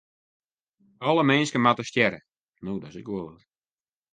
Alle minsken moatte stjerre.